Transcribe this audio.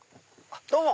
どうも！